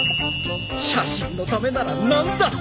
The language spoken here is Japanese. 写真のためなら何だって